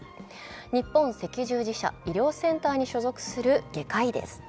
日本赤十字社医療センターに所属する外科医です。